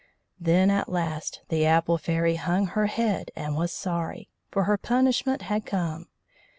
Then at last the Apple Fairy hung her head, and was sorry, for her punishment had come.